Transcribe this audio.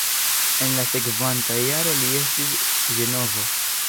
En la sekvanta jaro li estis en Ĝenovo.